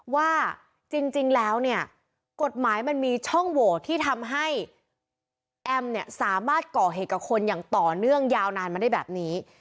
ว่าจริงแล้วเนี่ยกฎหมายมันมีช่องโหวตที่ทำให้แอมเนี่ยสามารถก่อเหตุกับคนอย่างต่อเนื่องยาวนานมาได้แบบนี้